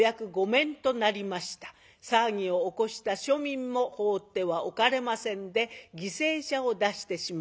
騒ぎを起こした庶民も放ってはおかれませんで犠牲者を出してしまった。